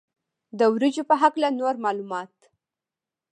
د وریجو په هکله نور معلومات.